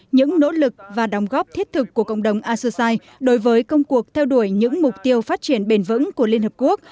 những nỗ lực và đóng góp thiết thực của cộng đồng associati đối với công cuộc theo đuổi những mục tiêu phát triển bền vững của liên hợp quốc